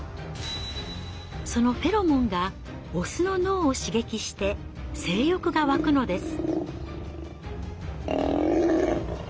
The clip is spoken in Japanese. そのフェロモンがオスの脳を刺激して性欲が湧くのです。